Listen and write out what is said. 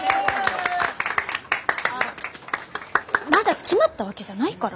あっまだ決まったわけじゃないから。